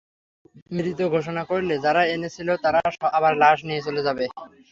মৃত ঘোষণা করলে যারা এনেছিল তারাই আবার লাশ নিয়ে চলে যায়।